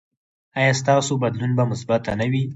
ایا ستاسو بدلون به مثبت نه وي؟